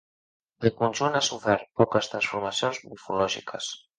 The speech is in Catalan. El conjunt ha sofert poques transformacions morfològiques.